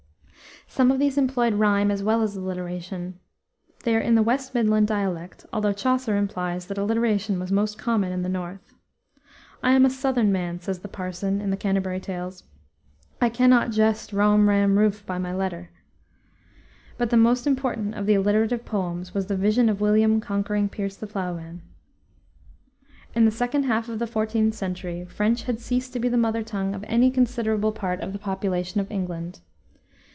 Some of these employed rhyme as well as alliteration. They are in the West Midland dialect, although Chaucer implies that alliteration was most common in the north. "I am a sotherne man," says the parson in the Canterbury Tales. "I cannot geste rom, ram, ruf, by my letter." But the most important of the alliterative poems was the Vision of William concerning Piers the Plowman. In the second half of the 14th century French had ceased to be the mother tongue of any considerable part of the population of England.